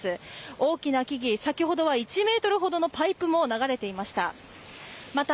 大きな木々、先ほどは１ｍほどのパイプも流れていました。